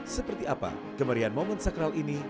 seperti apa kemerian momen sakral ini